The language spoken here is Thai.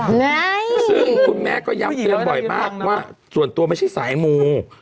ไงซึ่งคุณแม่ก็ย้ำเตือนบ่อยมากว่าส่วนตัวไม่ใช่สายมู